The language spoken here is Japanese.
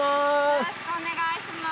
よろしくお願いします。